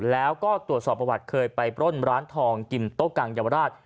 แล้วก็ตรวจสอบประวัติเคยไปปล้นร้านทองกินโต๊ะกังเยาวราช